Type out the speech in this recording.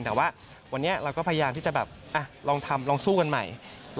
แต่ว่าวันนี้เราก็พยายามที่จะแบบลองทำลองสู้กันใหม่